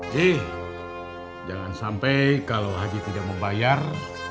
jih jangan sampai kalau haji tidak membayar